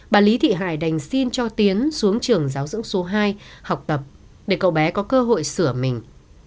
bà lý thị hải đành xin cho tiến xuống trường giáo dưỡng số hai học tập để cậu bé có cơ hội sửa mình